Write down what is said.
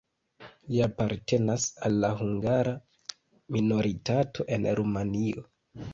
Li apartenas al la hungara minoritato en Rumanio.